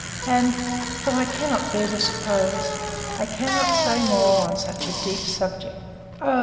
And—but I cannot bear to suppose—I cannot say more on such a deep subject. Oh!